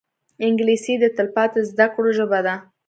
انګلیسي د تلپاتې زده کړو ژبه ده